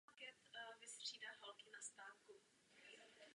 Viděli jste naše kompetence ve věci pravidel státní podpory.